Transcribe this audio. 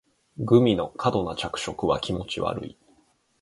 グミの過度な着色は気持ち悪い